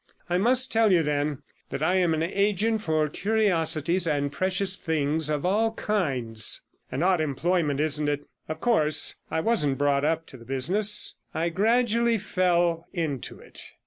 I must tell you, then, that I am an agent for curiosities and precious things of all kinds. An odd employment, isn't it? Of course, I wasn't brought up to the business; I gradually fell into it.